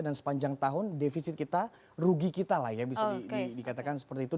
dan sepanjang tahun defisit kita rugi kita lah ya bisa dikatakan seperti itu